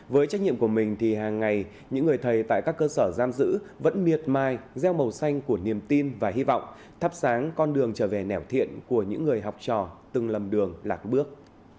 với trách nhiệm của mình thì hàng ngày những người thầy tại các cơ sở giam giữ vẫn miệt mai gieo màu xanh của niềm tin và hy vọng thắp sáng con đường trở về nẻo thiện của những người học trò từng lầm đường lạc bước